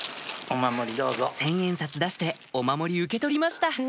千円札出してお守り受け取りました